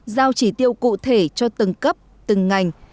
giao chỉ tiêu cụ thể cho từng cấp từng ngành